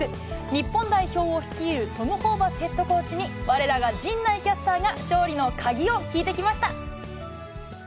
日本代表を率いるトム・ホーバスヘッドコーチに、われらが陣内キャスターが勝利の鍵を聞いてきました。